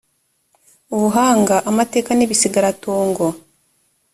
ubuhanga amateka n ibisigaratongo